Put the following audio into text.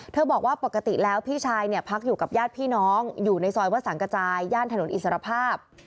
บอกว่าปกติแล้วพี่ชายเนี่ยพักอยู่กับญาติพี่น้องอยู่ในซอยวัดสังกระจายย่านถนนอิสรภาพ